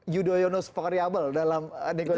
yudhoyono spokariabel dalam negosiasi politik ini